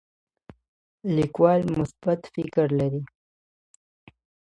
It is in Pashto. لیکوال مثبت فکر لري.